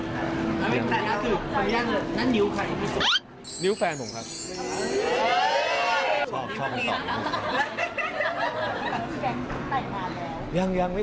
คนที่เปิดบอสจะเป็นคนใช่ไหม